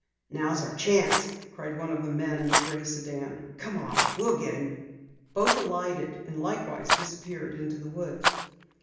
"Now's our chance!" cried one of the men in the gray sedan. "Come on, we'll get him!" Both alighted and likewise disappeared into the woods.